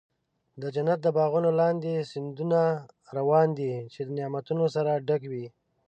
د جنت د باغونو لاندې سیندونه روان دي، چې د نعمتونو سره ډک دي.